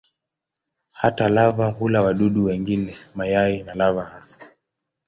Hata lava hula wadudu wengine, mayai na lava hasa.